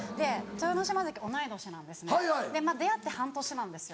豊ノ島関同い年なんですねで出会って半年なんですよ。